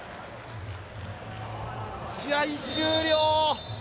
試合終了。